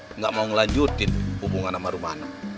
tidak mau melanjutkan hubungan sama romana